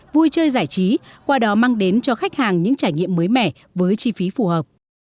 vui chơi giải trí qua đó mang đến cho khách hàng những trải nghiệm mới mẻ với chi phí phù hợp